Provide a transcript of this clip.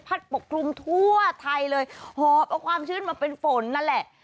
ปกคลุมทั่วไทยเลยหอบเอาความชื้นมาเป็นฝนนั่นแหละ